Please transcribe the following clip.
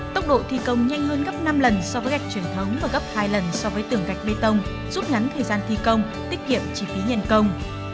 tốc độ thi công nhanh hơn gấp năm lần so với gạch truyền thống và gấp hai lần so với tường gạch bê tông rút ngắn thời gian thi công tiết kiệm chi phí nhân công